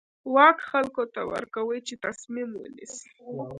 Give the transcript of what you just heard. واک خلکو ته ورکوي چې تصمیم ونیسي.